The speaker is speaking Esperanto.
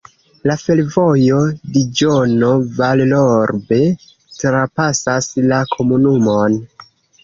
La fervojo Diĵono-Vallorbe trapasas la komunumon.